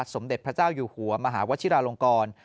สมเด็จพระเจ้าอยู่หัวมหาวชิราลงกร